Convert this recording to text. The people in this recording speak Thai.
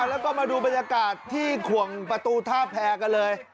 แล้วก็มาดูบรรยากาศที่ขวงประตูท่าแพรกันเลย